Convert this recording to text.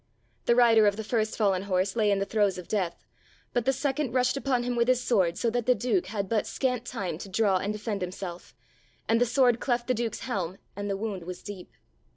The rider of the first fallen horse lay in the throes of death, but the second rushed upon him with his sword so that the Duke had but scant time to draw and defend himself, and the sword cleft the Duke's helm and the wound was deep.